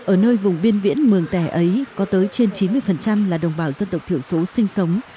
ở nơi vùng biên viễn mường tẻ ấy có tới trên chín mươi là đồng bào dân tộc thiểu số sinh sống